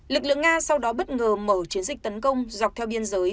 lực lượng nga sau đó bất ngờ mở chiến dịch tấn công dọc theo biên giới